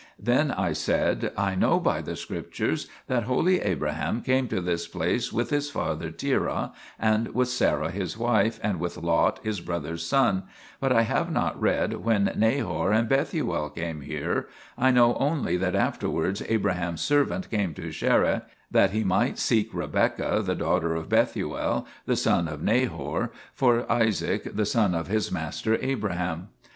Then I said :" I know by the Scriptures x that holy Abraham came to this place with his father Terah and with Sarah his wife, and with Lot his brother's son, but I have not read when Nahor and Bethuel came here ; I know only that afterwards Abraham's servant came to Charrae that he might seek Rebecca, the daughter of Bethuel, the son of Nahor, for Isaac the son of his master Abraham."